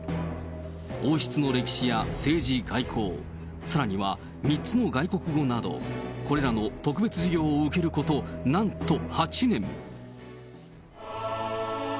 王室の歴史や政治、外交、さらには３つの外国語など、これらの特別授業を受けること、なんと８年。